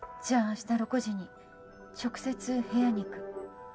じゃあ明日６時に直接部屋に行く。